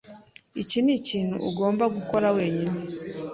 Iki nikintu ugomba gukora wenyine.